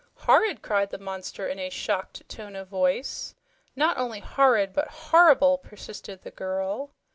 "Horrid!" cried the monster in a shocked tone of voice. "Not only horrid, but horrible!" persisted the girl.